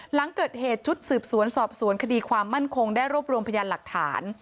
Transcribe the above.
หลังเกิดเหตุชุดสืบสวนสอบสวนคดีความมั่นคงได้รวบรวมพยานหลักฐาน